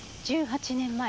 １８年前？